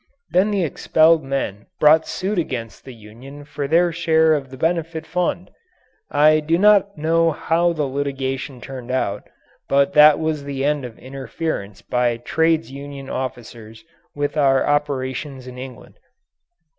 Then the expelled men brought suit against the union for their share of the benefit fund. I do not know how the litigation turned out, but that was the end of interference by trades union officers with our operations in England.